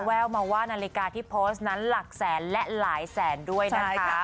แววมาว่านาฬิกาที่โพสต์นั้นหลักแสนและหลายแสนด้วยนะคะ